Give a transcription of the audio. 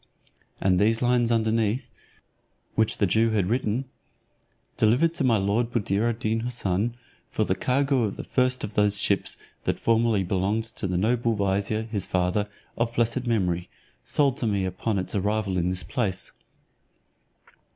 And these lines underneath, which the Jew had written, "Delivered to my lord Buddir ad Deen Houssun, for the cargo of the first of those ships that formerly belonged to the noble vizier, his father, of blessed memory, sold to me upon its arrival in this place."